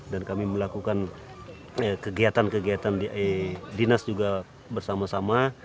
dan kami melakukan kegiatan kegiatan dinas juga bersama sama